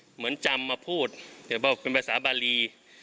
เหมือนจำมาพูดเป็นภาษาบาลี